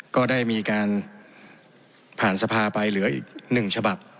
ก็ได้มีการผ่านสภาไปเหลืออีก๑ฉบับ